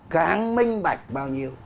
càng minh bạch bao nhiêu